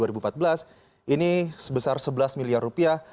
ini sebesar sebelas miliar rupiah